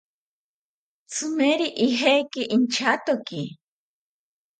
Tzimeri ijeki inchatoki